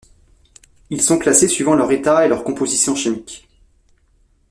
Ils sont classés suivant leur état et leur composition chimique.